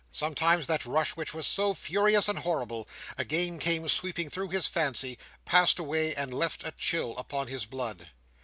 Sometimes that rush which was so furious and horrible, again came sweeping through his fancy, passed away, and left a chill upon his blood.